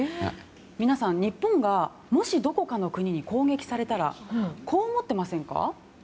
皆さん、日本がもしどこかの国に攻撃されたらこう思っていませんか？